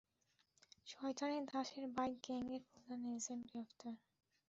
শয়তানের দাসের বাইক গ্যাংয়ের প্রধান এজেন্ট গ্রেফতার।